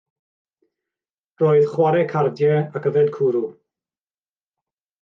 Roedd chwarae cardiau ac yfed cwrw.